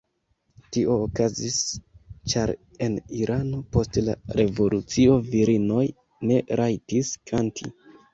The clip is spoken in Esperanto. Tio okazis ĉar en Irano post la revolucio virinoj ne rajtis kanti.